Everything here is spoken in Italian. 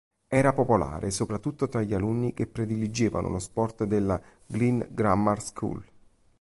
Era popolare soprattutto tra gli alunni che prediligevano lo sport della Glyn Grammar School.